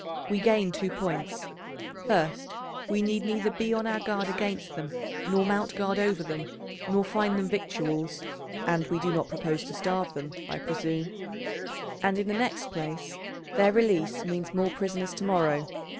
We gain two points; first, we need neither be on our guard against them nor mount guard over them nor find them victuals (and we do not propose to starve them, I presume), and in the next place, their release means more prisoners to morrow.